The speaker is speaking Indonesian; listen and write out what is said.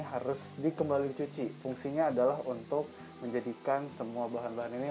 harus dikembali dicuci fungsinya adalah untuk menjadikan semua bahan bahan ini